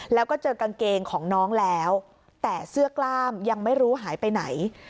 แล้วก็เจอกางเกงของน้องแล้วแต่เสื้อกล้ามยังไม่รู้หายไปไหน